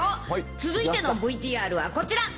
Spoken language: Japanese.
続いてのＶＴＲはこちら。